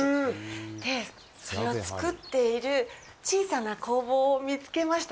で、それを作っている小さな工房を見つけました。